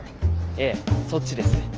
ええそっちです。